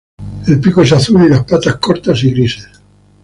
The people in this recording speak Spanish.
El pico es azul y las patas, cortas y grises.